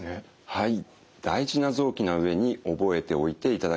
はい。